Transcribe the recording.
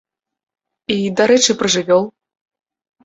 І, дарэчы, пра жывёл.